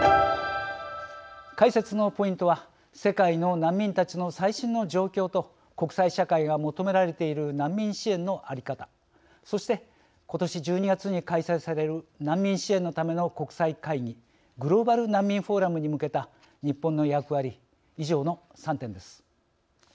解説のポイントは世界の難民たちの最新の状況と国際社会が求められている難民支援のあり方そして今年１２月に開催される難民支援のための国際会議「グローバル難民フォーラム」に向けた日本の役割以上の３点です。